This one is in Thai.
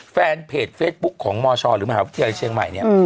แฟนเพจเฟซบุ๊คของมชหรือมหาวิทยาลัยเชียงใหม่เนี่ย